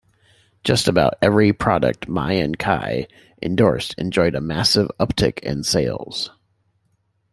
Just about every product Mie and Kei endorsed enjoyed a massive uptick in sales.